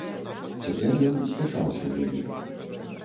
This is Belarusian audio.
Цяпер ён спяшаўся вельмі.